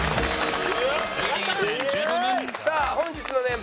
さあ本日のメンバー